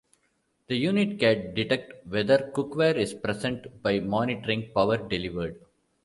The unit can detect whether cookware is present by monitoring power delivered.